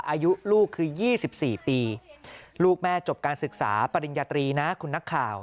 อายุลูกคือ๒๔ปีลูกแม่จบการศึกษาปริญญาตรีนะคุณนักข่าว